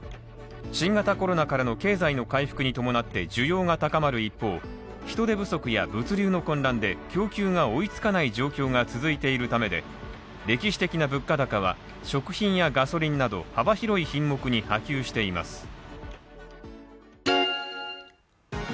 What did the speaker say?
新型コロナからの経済の回復に伴って需要が高まる一方、人手不足や物流の混乱で供給が追いつかない状況が続いているためで歴史的な物価高は、食品やガソリンなど幅広い品目に波及しています。